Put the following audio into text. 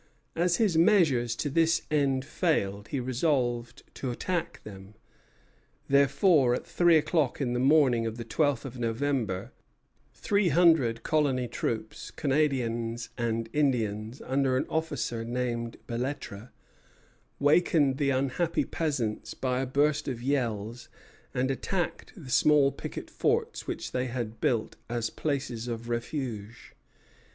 As his measures to this end failed, he resolved to attack them. Therefore, at three o'clock in the morning of the twelfth of November, three hundred colony troops, Canadians and Indians, under an officer named Belêtre, wakened the unhappy peasants by a burst of yells, and attacked the small picket forts which they had built as places of refuge.